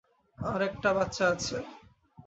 আরেকটা বাচ্চা আছে।